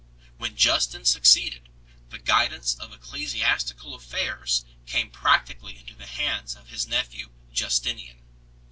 When Justin succeeded, the guidance of ecclesiastical affairs came practically into the hands of his nephew Justinian.